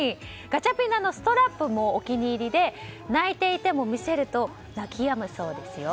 ガチャピンのストラップもお気に入りで泣いていても見せると泣き止むそうですよ。